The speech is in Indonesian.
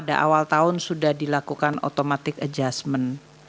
di awal tahun sudah dilakukan otomatis adjustment